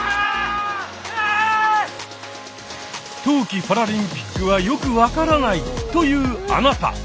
冬季パラリンピックはよく分からないというあなた！